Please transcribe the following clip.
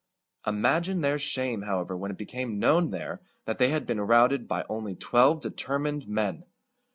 Imagine their shame, however, when it became known there that they had been routed by only twelve determined men!